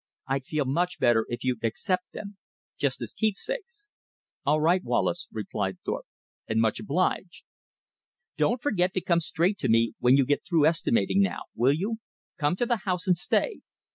I'd feel much better if you'd accept them, just as keepsakes." "All right, Wallace," replied Thorpe, "and much obliged." "Don't forget to come straight to me when you get through estimating, now, will you? Come to the house and stay.